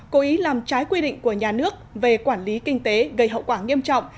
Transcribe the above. cố ý làm trái quy định của nhà nước về quản lý kinh tế gây hậu quả nghiêm trọng